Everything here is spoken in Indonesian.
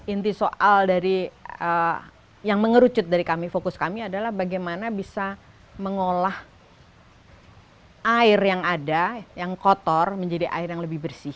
inti soal dari yang mengerucut dari kami fokus kami adalah bagaimana bisa mengolah air yang ada yang kotor menjadi air yang lebih bersih